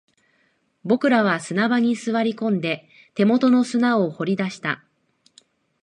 僕らは砂場に座り込んで、手元の砂を掘り出した